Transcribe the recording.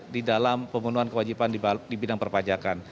di dalam pemenuhan kewajiban di balik